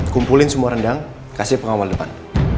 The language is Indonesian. kumpulin semua rendang kasih pengawal depan